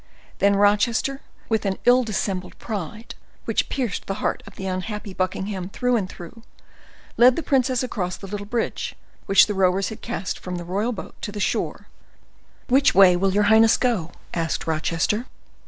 Then Rochester, with an ill dissembled pride, which pierced the heart of the unhappy Buckingham through and through, led the princess across the little bridge which the rowers had cast from the royal boat to the shore. "Which way will your highness go?" asked Rochester.